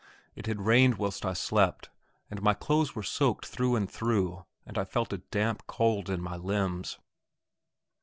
It had rained whilst I slept, and my clothes were soaked through and through, and I felt a damp cold in my limbs.